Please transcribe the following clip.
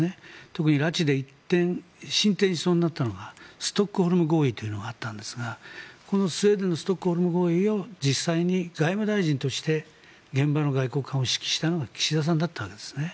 特に拉致で１点進展しそうになったのがストックホルム合意というのがあったんですがこのスウェーデンのストックホルム合意を実際に外務大臣として現場の外交官を指揮したのが岸田さんだったわけですね。